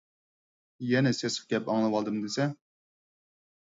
يەنە سېسىق گەپ ئاڭلىۋالدىم دېسە.